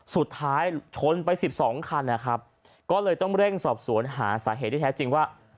สุดท้ายชนไปสิบสองคันนะครับก็เลยต้องเร่งสอบสวนหาสาเหตุที่แท้จริงว่า